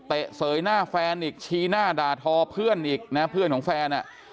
เสยหน้าแฟนอีกชี้หน้าด่าทอเพื่อนอีกนะเพื่อนของแฟนอ่ะ